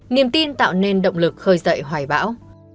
niềm tin tạo nên động lực khơi dậy hoài bão